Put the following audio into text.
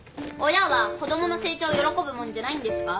親は子供の成長を喜ぶもんじゃないんですか？